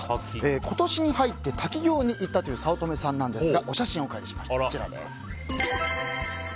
今年に入って滝行に行ったという早乙女さんですがお写真をお借りしました。